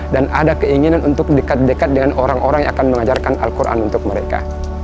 dan ada keinginan untuk dekat dekat dengan orang orang yang akan mengajarkan al quran untuk mereka